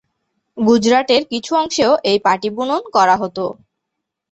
গুজরাটের কিছু অংশেও এই পাটি বুনন করা হত।